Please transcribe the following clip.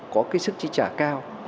có cái sức trí trả cao